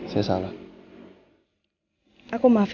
masa dulu itu ini mah